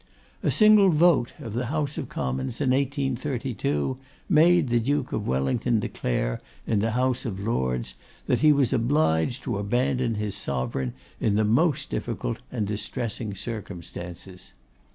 A single vote of the House of Commons, in 1832, made the Duke of Wellington declare, in the House of Lords, that he was obliged to abandon his sovereign in "the most difficult and distressing circumstances."